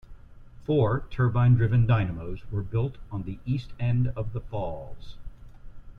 Four turbine driven dynamos were built on the east end of the falls.